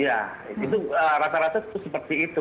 iya itu rata rata tuh seperti itu